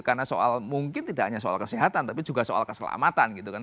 karena soal mungkin tidak hanya soal kesehatan tapi juga soal keselamatan gitu kan